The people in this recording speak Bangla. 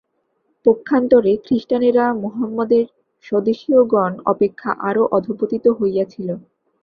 পক্ষান্তরে খ্রীষ্টানেরা মহম্মদের স্বদেশীয়গণ অপেক্ষা আরও অধঃপতিত হইয়াছিল।